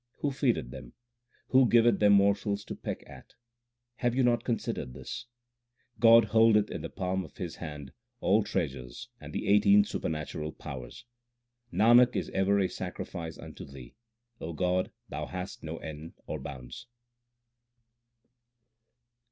Who feedeth them ? Who giveth them morsels to peck at ? Have you not considered this ? God holdeth in the palm of His hand all treasures and the eighteen supernatural powers. Nanak is ever a sacrifice unto Thee ; O God, Thou hast no end or bounds.